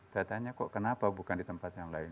saya tanya kok kenapa bukan di tempat yang lain